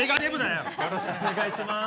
よろしくお願いします